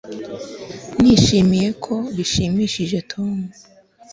nishimiye ko bishimishije tom